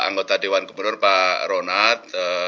anggota dewan gubernur pak ronad